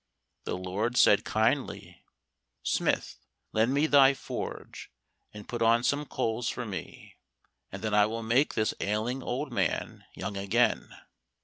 The Lord said kindly, "Smith, lend me thy forge, and put on some coals for me, and then I will make this ailing old man young again."